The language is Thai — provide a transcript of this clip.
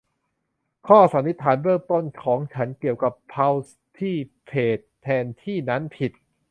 ข้อสันนิษฐานเบื้องต้นของฉันเกี่ยวกับพัลส์ที่เฟสแทนที่นั้นผิด